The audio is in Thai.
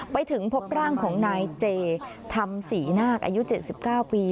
ไปถึงพบร่างของนายเจธรรมศรีนาคอายุ๗๙ปี